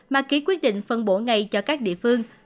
mà ký quyết định phân bổ ngay cho các địa phương